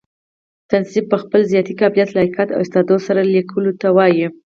تصنیف په خپل ذاتي قابلیت، لیاقت او استعداد سره؛ ليکلو ته وايي.